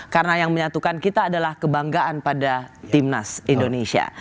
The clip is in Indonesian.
karena yang menyatukan kita adalah kebanggaan pada timnas indonesia